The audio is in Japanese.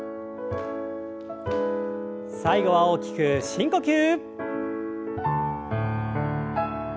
最後は大きく深呼吸。